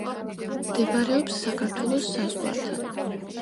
მდებარეობს საქართველოს საზღვართან.